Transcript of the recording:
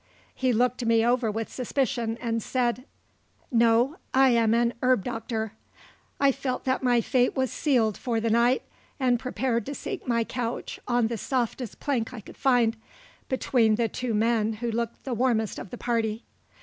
He looked me over with suspicion, and said: "No, I am an herb doctor." I felt that my fate was sealed for the night, and prepared to seek my couch on the softest plank I could find, between the two men who looked the warmest of the party.